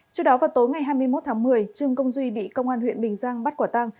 trước đó vào tối ngày hai mươi một tháng một mươi trương công duy bị công an huyện bình giang bắt quả tăng